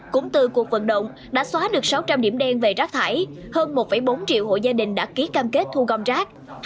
cũng từ cuộc vận động đã xóa được sáu trăm linh điểm đen về rác thải hơn một bốn triệu hộ gia đình đã ký cam kết thu gom rác